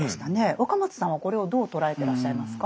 若松さんはこれをどう捉えてらっしゃいますか？